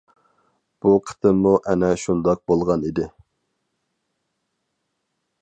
بۇ قېتىممۇ ئەنە شۇنداق بولغان ئىدى.